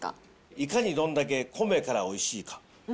いかにどんだけ米からおいしいか。